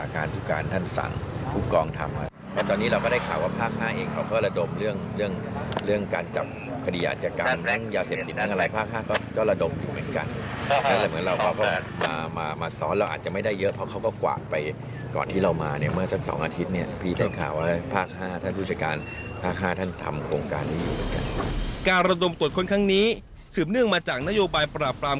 การระดมตรวจค้นครั้งนี้สืบเนื่องมาจากนโยบายปราบปราม